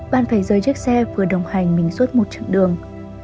bạn phải rời chiếc xe vừa đồng hành mình suốt một chặng đường